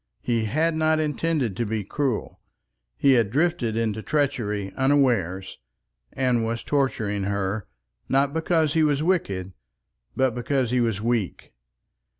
He had not intended to be cruel. He had drifted into treachery unawares, and was torturing her, not because he was wicked, but because he was weak.